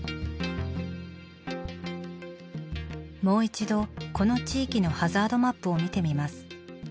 もう一度この地域のハザードマップを見てみます。